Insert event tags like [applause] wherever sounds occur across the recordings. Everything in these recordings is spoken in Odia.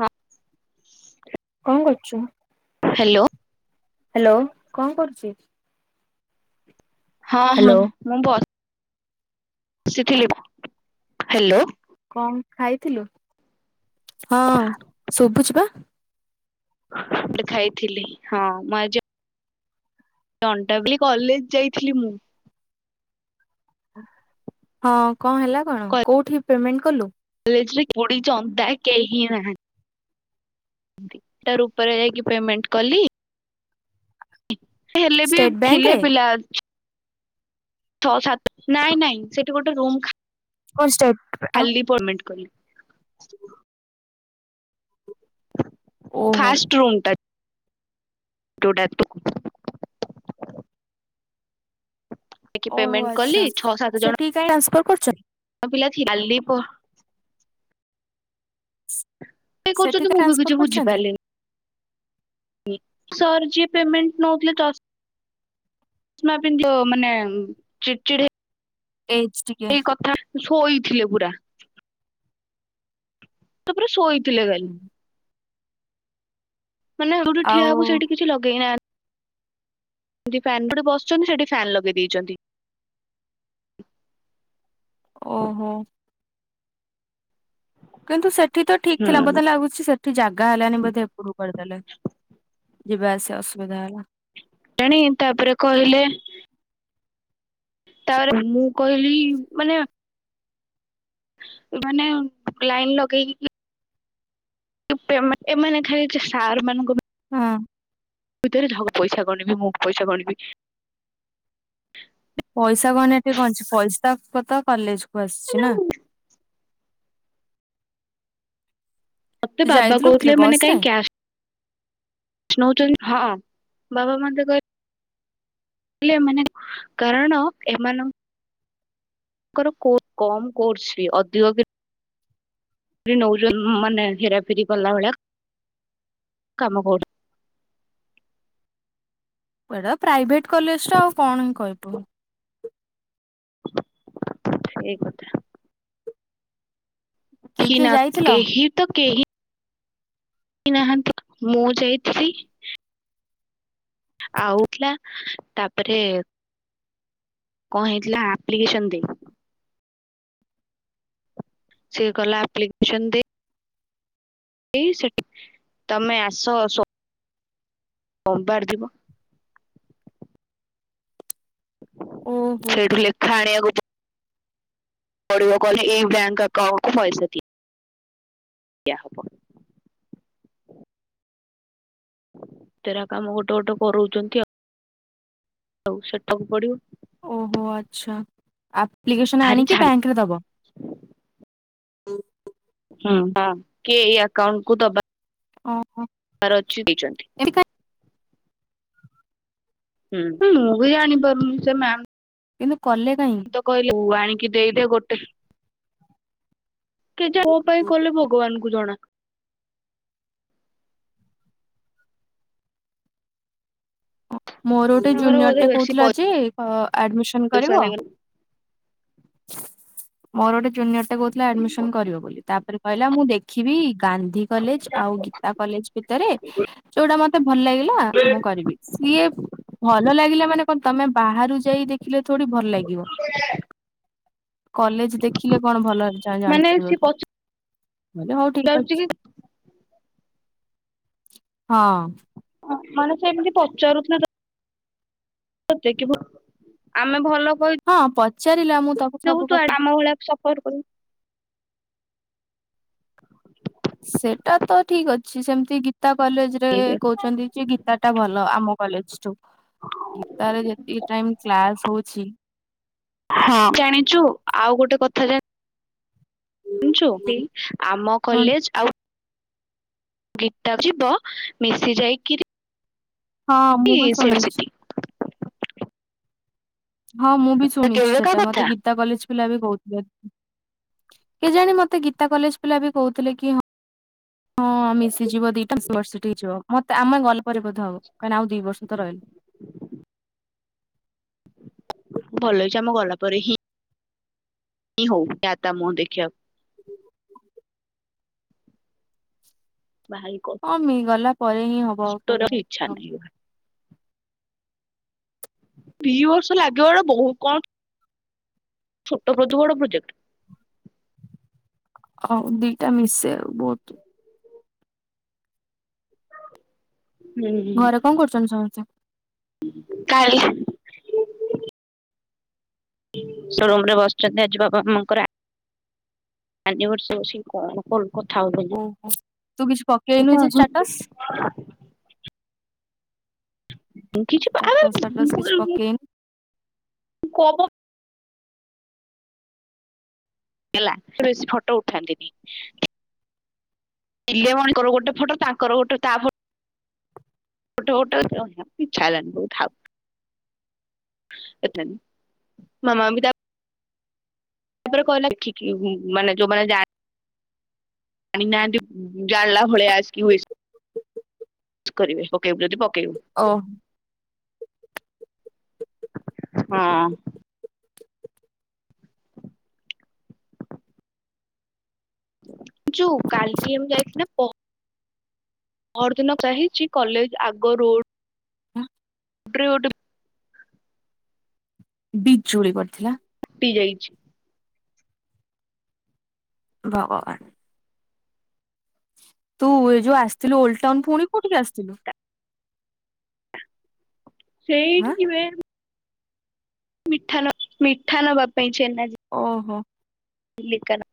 ହଁ। କଣ କରୁଚୁ? ହାଲୋ। ହାଲୋ କଣ କରୁଚି? ହଁ ହଁ ମୁଁ ବ ବସିଥିଲି ମ ହାଲୋ। କଣ ଖାଇଥିଲୁ ହଁ ଶୁଭୁଚି ପା ଦେ ଖାଇଥିଲି ହଁ ମୁଁ ଆଜି ଅଣ୍ଟାବଲି କଲେଜ ଯାଇଥିଲି ମୁଁ ହଁ କଣ ହେଲା କଣ କୋଉଠି ପେମେଣ୍ଟ କଲୁ ଯାଇଥିଲି ପୁଡ଼ି ଜନ୍ଦା କେହି ନାହାନ୍ତି। ଦିଇଟା ଉପରେ ଯାଇକି ପେମେଣ୍ଟ କଲି ହେଲେ ବି ଷ୍ଟେଟ ବ୍ୟାଙ୍କ ଥିଲେ ରେ ପିଲା ଛଅ ସାତ ନାଇଁ ନାଇଁ ସେଠି ଗୋଟେ ରୁମ୍ କଣ ଷ୍ଟେଟ ଖା ଆଉ ଲି ପେମେଣ୍ଟ କଲି। ଓହୋ ଫାଷ୍ଟ ରୁମ୍ ଟା ଯୋଟା ତୁ [inaudible] ଓହୋ କଲି ଆଛ ଛଅ ସାତ ଜଣ ସେଠିକି କାଇଁ ଟ୍ରାନ୍ସଫର୍ କରୁଚନ୍ତି? ପିଲା କାଲି ପ୍ ସେ ସେଠି କହୁଚିନ୍ତି କାଇଁ ମୁଁ ବି ଟ୍ରାନ୍ସଫର କିଛି ବୁଝି କରୁଛନ୍ତି? ପାରିଲିନି ସାର୍ ଯିଏ ପେମେଣ୍ଟ ନୋଉଥିଲେ ତ [unintelligible] ମାନେ ଚିଡିଚିଡି ହେ ଏଜ ଟିକେ ସେଇ କଥା ଶୋଇଥିଲେ ପୁରା ତାପରେ ଶୋଇଥିଲେ କାଲି ମାନେ ଯଉଠି ଠିଆ ଆଉ ହବ ସେଠି କିଛି ଲଗେଇ ନାହାନ୍ତି। ଯି ଫ୍ୟାନ ଯୋଠି ବସିଚନ୍ତି ସେଠି ଫ୍ୟାନ ଲଗେଇ ଦେଇେଚନ୍ତି। ଓହୋ। କିନ୍ତୁ ସେଠି ତ ଠିକ୍ ଥିଲା ହୁଁ ବୋଧେ ଲାଗୁଛି ସେଠି ସେଠି ଜାଗା ହେଲାନି ବୋଧେ ଏପଟକୁ କରିଦେଲେ ଯିବା ଆସିବା ଅସୁବିଧା ହେଲା। ତେଣି ତାପରେ କହିଲେ ତାପରେ ମୁଁ କହିଲି ମାନେ ମାନେ ଲାଇନ ଲଗେଇକି ଏ ପେମେଣ୍ଟ ଏମାନେ ଖାଲି ସାର୍ ମାନଙ୍କ ହଁ। [unintelligible] ପଇସା ଗଣିବି ମୁଁ ବି ପଇସା ଗଣିବି ପଇସା କଣ ଟି କଣଅଛି ପଇସା କଥା କଲେଜ କୁ ମାନେ ଆସିଚି ନା ତୁ ମତେ ବାବା ଯାଇଥିଲୁ କୋଉଥିରେ କହୁଥିଲେ ବସ ମାନେ ରେ? କାହିଁ କ୍ୟାସ୍ ନଉଛନ୍ତି ହଁ ବାବା ମତେ କହିଲେ ହେ ମାନେ କାରଣ ଏମାନ ଙ୍କର କମ୍ କୋର୍ସ ବି ଅଧିକ ନୋଉଛ ମାନେ ହେରାଫେରି କଲା ଭଳିଆ କାମ କ ଏଟା ପ୍ରାଇଭେଟ କଲେଜ ଟା ଆଉ କଣ ହିଁ କହିବୁ। ଏଇ କଥା କିଏ ଏଠି କିଏ ନା ଯାଇଥିଲ? କେହି ତ କେହି ନାହାନ୍ତି ମୁଁ ଯାଇଥିଲି। ଆଉଥିଲା ତାପରେ କଣ ହେଇଥିଲା ଆପ୍ଲିକେସନ ଦେ ସେ କଲା ଆପ୍ଲିକେସନ ଦେ ଏଇ ସେ ତମେ ଆସ ଅମ୍ବା ଡ ଦିବ ଓହୋ ସେଇଠୁ ଲେଖା ଆଣିବାକୁ [unintelligible] ପଡିବ କହି ଏଇ ବ୍ୟାଙ୍କ ଆକାଉଣ୍ଟକୁ ପଇସା ଦିଏ। ଏୟା ହବ। ତେରା କାମ ଗୋଟେ ଗୋଟେ କରଉଚନ୍ତି, ଆଉ। ଆଉ ସେଠାକୁ ପଡିବ। ଓହୋ ଆଚ୍ଛା ଆପ୍ଲିକେସନ ଭାରି ଆଣିକି ଝାମ ବ୍ୟାଙ୍କରେ ଦବ। ହୁଁ, ହଁ କିଏ ଏ ଆକାଉଣ୍ଟକୁ ଦ ଓହୋ। ଚ ଦେଇଛନ୍ତି। ଏମିତି କାଇଁ [inaudible] ହୁଁ, ହୁଁ ମୁଁ ବି ଜାଣି ପାରୁନି ସେ ମ୍ୟା କିନ୍ତୁ କଲେ କାହିଁ ମୁ ତ କହିଲି ୟାଇଙ୍ଗ ଦେଇଦେ ଗୋ କି ଯେ ମୋ ପାଇଁ କଲେ ଭଗବାନ କୁ ଜଣା। ଅ ମୋର ଗୋଟେ ତାଙ୍କର ଜୁନିୟର ବୋଧେ ଟେ ବେଶୀ କହୁଥିଲା ଯେ ହ ଆଡ୍‌ମିଶନ ପଇସା କରିବ ହେଇଗଲା ମୋର ଗୋଟେ ଜୁନିୟର ସେ କହୁଥିଲେ ଆଡମିସନ କରିବ ବୋଲି, ତାପରେ କହିଲା ମୁଁ ଦେଖିବି ଗାନ୍ଧୀ କଲେଜ ଆଉ ଗୀତା କଲେଜ ଭିତରେ ଯୋଉଟା ମତେ ଭଲ ଲାଗିଲା ମୁଁ କରିବି। ସିଏ ଭଲ ଲାଗିଲା ମାନେ କଣ ତମେ ବାହାରୁ ଯାଇ ଦେଖିଲେ ଥୋଡି ଭଲ ଲାଗିବ। କଲେଜ ଦେଖିଲେ କଣ ଭଲ ଜା ମାନେ ଜାଣିପାରିବ। ସିଏ ଭଲେ ହଉ ଠିକ ପଚାରୁଛି ଅଛି କି ହଁ। ମାନେ ସେ ଏମିତି ପଚାରୁଥିଲେ ଦେଖିବା ଆମେ ଭଲ ହଁ ପଚ୍ ରହୁ ତୁ ଆଡ ଆମ ଭଳିଆ ସଫର କରୁ [inaudible] ସେଟା ତ ଠିକ ଅଛି ସେମିତି ଗିତ୍ ଗୀତା କଲେଜ ରେ କରିବୁ କହୁଛନ୍ତି କି ଗୀତା ଟା ଭଲ ଆମ କଲେଜ ଠୁ ଗୀତାରେ ଯେତିକି ଟାଇମ କ୍ଲାସ ହଉଛି। ହଁ ଜାଣିଛୁ ଆଉ ଗୋଟେ କଥା ଜାଣି ସିଓର୍ କି ଆମ ହଁ କଲେଜ ଆଉ ଗୀତା ଯିବ ମିଶି ଯାଇକି ହଁ ମୁଁ ବି ଶୁଣିଛି। ହଁ ମୁଁ ବି ଶୁଣିଛି କେବେକା ସେଟା କଥା ମତେ ଗୀତା କଲେଜ ପିଲା ବି କହୁଥିଲେ, କେଜାଣି ମତେ ଗୀତା କଲେଜ ପିଲା ବି କହୁଥିଲେ କି ହଁ ମିଶି ଯିବ ଦିଟା ସିଟି ହେଇଯିବ ମତେ ଆମେ ଗଲେ ପରେ ବଧ ହବ କାଇଁନା ଆଉ ଦିଇ ବର୍ଷ ତ ରହିଲା। ଭଲ ହେଇଛି ଆମ ଗଲା ପରେ ହିଁ ଇ ହଉ ଦାଦା ମୁଁହଁ ଦେଖିଆକୁ ହ [inaudible] ଭାଇ ହଁ ମି ଗଲା ପରେ ହିଁ ହବ କଷ୍ଟ ର ଇଚ୍ଛା ନାହିଁ। [unintelligible] ଦି ବର୍ଷ ଲାଗିବାଟା ବହୁତ କମ୍। ଛୋଟ [unintelligible] ପ୍ରୋଜେକ୍ଟ। ହଉ ଦିଟା ମିଶେ ଆଉ ବୋଥ। ହୁଁ ଘରେ କଣ କରୁଛନ୍ତି ସମସ୍ତେ? କାଲି। ସୋରୁମରେ ବସିଛନ୍ତି, ଆଜି ବାବା ମାଆଙ୍କର ଆ ଆନିଭର୍ସରୀ ଅଛି, କଣ କଲୁ? କଥା ଓହୋ ତୁ କିଛି ପକେଇନୁ ହଉଛନ୍ତି। ଯେ ଷ୍ଟାଟସ୍ [unintelligible] କିଛି ଷ୍ଟାଟସ୍ ଫାଟସ୍ କିଛି [unintelligible] ମୁଁ ପକେଇନୁ। କ ପ। ହେଲା ସେ ବେଶୀ ଫଟୋ ଉଠାନ୍ତିନି। ପିଲା ମାନଙ୍କର ଗୋଟେ ଫଟୋ ତାଙ୍କର ଗୋଟେ ତା ଫ ଫୋଟୋ [unintelligible] ଇଛା ହେଲାନି [unintelligible] ଥାଉ। [unintelligible] ମାମା ବି ତା ତାପରେ କହିଲା ଦେଖିକି ମାନେ ଯୋଉମାନେ ଜାଣି ଆଣି ନାହାଁନ୍ତି, ଜାଣିଲା ଭଳିଆ ଆସିକି ୱିଶ୍ କରିବେ ପକେଇବୁ ଯଦି ପକ ଓ। ହଁ। ଯୁ କାଲ ଡିଏମ ଯାଇଥିଲା ପ ପଅରଦିନ ଚାହିଚି କଲେଜ ଆଗ ରୋଡ ଉପରେ ଗୋଟେ ବିଜୁଳି ପଡ଼ିଥିଲା। ଗୋଟେ ଯାଇଛି। ଭଗବାନ। ତୁ ଏ ଯୋଉ ଆସଥିଲୁ ଓଲଡ ଟାଉନ ପୁଣି କୋଉଠିକି ଆସଥିଲୁ? [inaudible] ହାଁ। ସେଇଠିକି ବେ। ମିଠା ନ ମିଠା ନବା ପାଇଁ ଚେନ୍ନାଇ। ଓହୋ। କିଲେ କାର।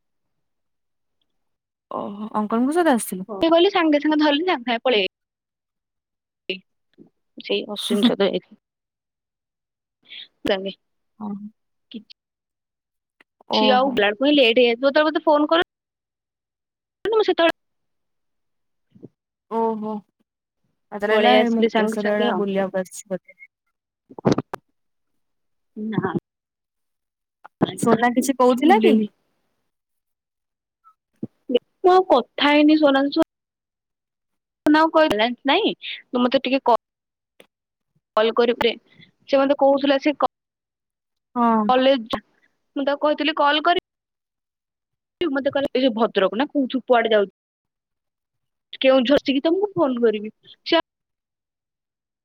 ଓହୋ! ଅଙ୍କଲଙ୍କ ସହିତ ଆସିଥିଲୁ? ଗଲି ସାଙ୍ଗେ ସାଙ୍ଗେ ଧରଲି ସାଙ୍ଗ ସାଙ୍ଗେ ପଳେଇ ଆଇଲି। ସେଇ ଅଶ୍ୱିନ ସହିତ ଯାଇଥିଲି। [unintelligible] ଓହୋ। [unintelligible] ଲେଟ୍ ହେଇ ତୁ ଯେତେବେଳେ ମୋତେ ଫୋନ କଲୁ [unintelligible] ମୁଁ ସେତେବେଳେ ଓହୋ [unintelligible] ଲାଗିଲା ପଳେଇ ଆସିଲି ମୁକ୍ତେଶ୍ୱର ଆଡେ ବୁଲିଆକୁ ଆସିବ ନାଁ। ସୋନା କିଛି କହୁଥିଲା କି? ମୁଁ ଆଉ କଥା ହେଇନି ସୋନାଲି ସ ସୋନାକୁ କହିଲି ବାଲାନ୍ସ ନାଇଁ ତୁ ମତେ ଟିକେ କ କଲ୍ କରିବୁ ବେ ସେ ମୋତେ କହୁଥିଲା ସେ କ ହଁ କଲେଜ ମୁଁ ତାକୁ କହିଥିଲି କଲ୍ କରି ମତେ କହିଲା ଏ ଯୋଉ ଭଦ୍ରକ ନା କୋଉଠୁ କୁଆଡେ ଯାଉ କେଉଁଝର ଚିକି ତମକୁ ଫୋନ କରିବି ସେ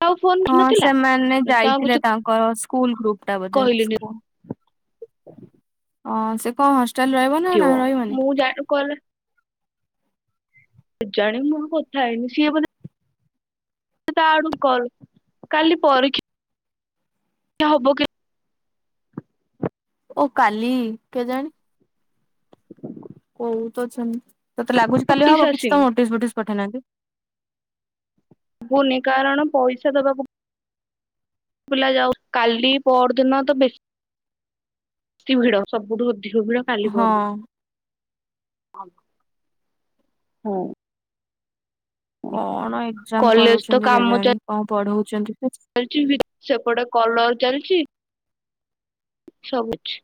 ଆଉ ଫୋନ ହଁ, କରିନଥିଲା ସେମାନେ ମୁଁ ଆଉ ଯାଇଥିଲେ। କିଛି ତାଙ୍କର ସ୍କୁଲ ଗ୍ରୁପ ଟା ବୋଧେ କହିଲିନି ସ୍କୁଲ। [inaudible] ହଁ ସେ କଣ ହଷ୍ଟେଲ ରହିବ ନା ଥିବ ରହିବନି? ମୁଁ ଜାଣୁ କେଜାଣି ମୁ କଥା ହେଇନି, ସିଏ ବଧେ ତା ଆଡ଼ୁ କଲ୍, କାଲି ପରୀକ୍ଷା। ହବ କି? ଓ କାଲି, କେଜାଣି [inaudible] କୋଉ ତ ଅଛନ୍ତି, ତତେ ଲାଗୁଛି କାଲି ନୋଟିସ୍ ହବ କିଛି ଆସିନି ତ ନୋଟିସ ଫୋଟିସ ପଠେଇନାହାନ୍ତି। ହୁନି, କାରଣ ପଇସା ଦବାକୁ ପିଲା ଯାଉ କାଲି ପର ଦିନ ତ ବେଶୀ ବେଶୀ ଭିଡ ସବୁଠୁ ବିଡ କାଲି ପ ହଁ ହଁ କଣ ଏଜାମ କଲେଜ ତ କରୁଛନ୍ତି କାମ କେଜାଣି? କଣ ପଢଉଛନ୍ତି ସେ ଚାଲିଛି, ସେପଟେ କଲର ଚାଲିଛି ସବୁ ଅଛି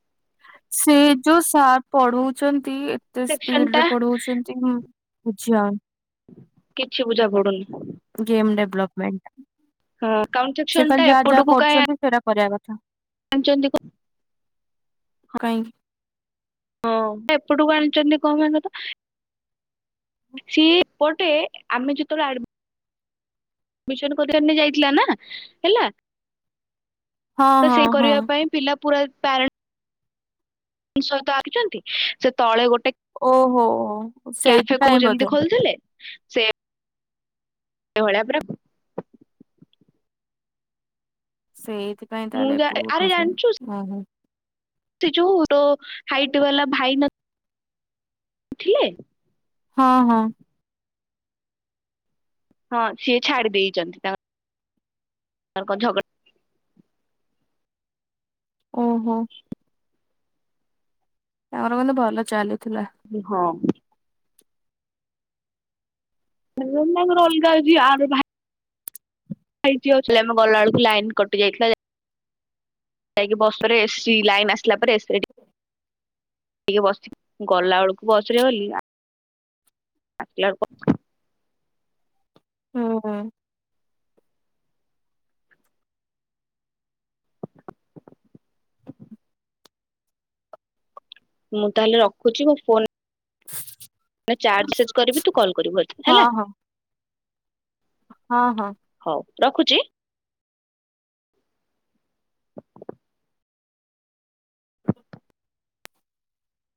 ସେ ଯୋଉ ସାର୍ ପଢଉଛନ୍ତି, ଏତେ ସେକ୍ସନ ସ୍ପିଡ ଟା ରେ ପଢଉଛନ୍ତି ଆଚ୍ଛା। କିଛି ବୁଝା ପଡୁନି। ଗେମ୍ ଡେଭଲପମେଣ୍ଟ ହଁ ସେ କାଉଣ୍ଟସନ୍ ଖାଲି ଟାଇପ ଯାହା ଯାହା ପଟକୁ କ କରୁଛନ୍ତି ସେଇଟା କରିବା ପାଞ୍ଚଛନ୍ତି କ [unintelligible] କଙ୍କ [unintelligible] ହଁ ଏପଟୁ ଆଣିଛନ୍ତି କଣ ପାଇଁ କହିଲ? ସେପଟେ ଆମେ ଯେ ତଳେ ଆ କରି ଯାଇଥିଲା ନା, ହେଲା ହଁ ତ ହଁ ସେ ହଁ କରିବା ପାଇଁ ପିଲା ପୁରା ପ୍ୟାରେଣ୍ଟ ସହିତ ଆସିିଛନ୍ତି, ସେ ତଳେ ଗୋଟେ ଓହୋ କ୍ୟାଫେ କ ସେଇଥିପାଇଁ ଯେମିତି ବୋଧେ ଖୋୋଲିଥିଲେ ସେ କେ ହଳିଆ ପ୍ରରାଖ [unintelligible] ସେଇଥିପାଇଁ ମୁଁ ତାହେଲେ, ଏପଟୁ ଆରେ ଉଠେଇଛ, ଜାଣିଛୁ ଓହୋ ସେ ଯୋଉ ହାଇଟ ବାଲା ଭାଇ ନ ଥିଲେ। ହଁ ହଁ ହଁ, ସିଏ ଛାଡି ଦେଇେଇଛନ୍ତି, ତାଙ୍କ ତା କ ଝଗଡ଼ା ଓହୋ ତାଙ୍କର କନ୍ତେ ଭଲ ଚାଲୁଛି [unintelligible] ହଁ ରଲଗା ଯ ଆର ଭାଇ [unintelligible] ଇ ଆମେ ଗଲା ବଳକୁ ଲାଇନ କଟି ଯାଇଥିଲା। ଯାଇକି ବସ ପରେ ଏସି, ଲାଇନ୍ ଆସିଲା ପରେ ଏ ଟିକେ ବସି, ଗଲା ବେଳକୁ ବସରେେ ଗଲି। ଆିଲ କ [unintelligible] ହଁ ମୁଁ ତାହେଲେ ରଖୁଛି, ମୋ ଫୋନ ଚାର୍ଜ ସେଜ କରିବି, ତୁ କଲ୍ କରିବୁ ହଁ ହେଲା ହଁ ହଁ ହଁ ହଉ ରଖୁଛି। [inaudible]